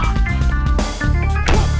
kau harus hafal penuh ya